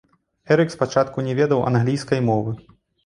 Эрык спачатку не ведаў англійскай мовы.